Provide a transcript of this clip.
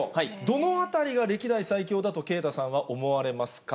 どのあたりが歴代最強だと、啓太さんは思われますか。